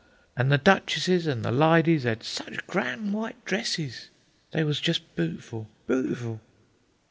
An' the duchesses an' the lydies 'ad sich gran' w'ite dresses. They was jest bu'ful, bu'ful."